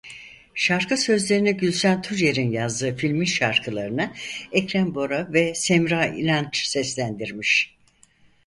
Şarkı sözlerini "Gülsen Tuncer"'in yazdığı filmin şarkılarını "Ekrem Bora" ve Semra İnanç seslendirmiş.